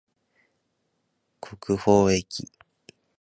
国縫駅